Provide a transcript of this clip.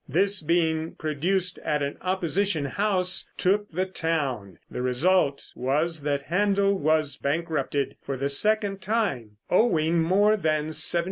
This being produced at an opposition house, took the town. The result was that Händel was bankrupted for the second time, owing more than £75,000.